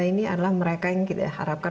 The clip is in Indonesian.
ini adalah mereka yang kita harapkan